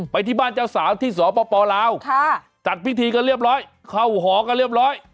ไปที่บ้านเจ้าสาวที่สปลาวจัดพิธีกันเรียบร้อยเข้าหอกันเรียบร้อย